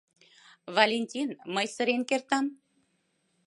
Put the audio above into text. Валентин, мый сырен кертам.